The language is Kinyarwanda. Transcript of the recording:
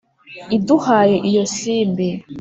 iduhaye iyo simbi